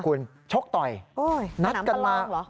คุณชกต่อยนัดกันมาโอ้โฮน้ำประลองหรอ